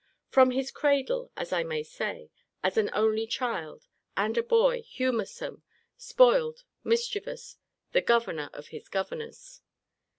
From his cradle, as I may say, as an only child, and a boy, humoursome, spoiled, mischievous; the governor of his governors.